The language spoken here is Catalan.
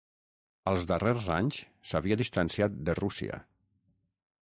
Als darrers anys s'havia distanciat de Rússia.